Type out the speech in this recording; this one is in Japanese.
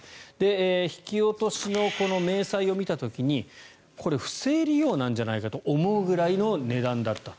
引き落としの明細を見た時にこれ不正利用なんじゃないかと思うぐらいの値段だったと。